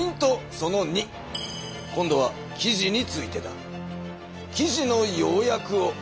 その２今度は記事についてだ。